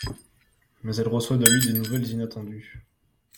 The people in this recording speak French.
Mais elle reçoit de lui des nouvelles inattendues.